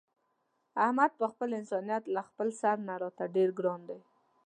احمد په خپل انسانیت له خپل سر نه راته ډېر ګران دی.